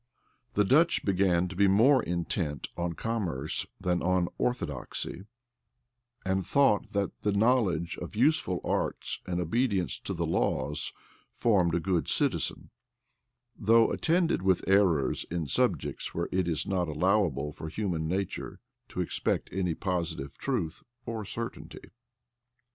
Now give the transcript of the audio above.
[] The Dutch began to be more intent on commerce than on orthodoxy; and thought that the knowledge of useful arts and obedience to the laws formed a good citizen; though attended with errors in subjects where it is not allowable for human nature to expect any positive truth or certainty.